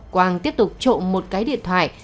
quang tiếp tục trộn một cái điện thoại